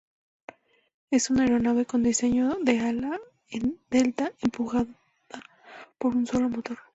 Es una aeronave con diseño de ala en delta, empujada por un solo motor.